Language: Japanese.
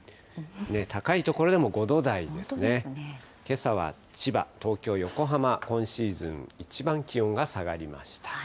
けさは千葉、東京、横浜、今シーズン一番気温が下がりました。